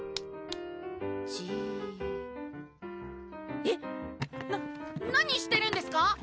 じっえっ⁉な何してるんですか？